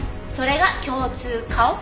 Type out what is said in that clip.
それが共通顔？